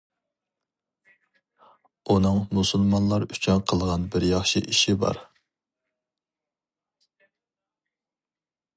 ئۇنىڭ مۇسۇلمانلار ئۈچۈن قىلغان بىر ياخشى ئىشى بار.